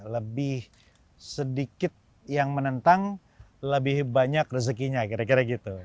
lebih sedikit yang menentang lebih banyak rezekinya kira kira gitu